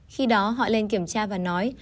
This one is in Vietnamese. khi đó họ lên kiểm tra và nói